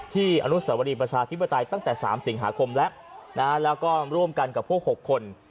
อนุสวรีประชาธิปไตยตั้งแต่๓สิงหาคมแล้วแล้วก็ร่วมกันกับพวก๖คน